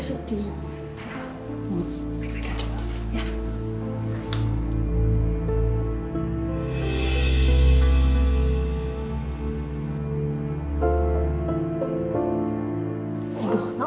sama titik jagain mama